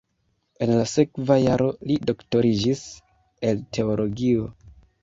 En la sekva jaro li doktoriĝis el teologio.